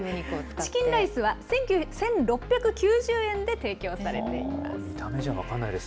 チキンライスは１６９０円で提供されています。